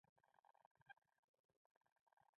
کله کله به يو _نيم ځای اغوستې زرې وشرنګېدې.